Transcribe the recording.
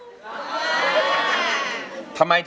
เพลงที่๒มาเลยครับ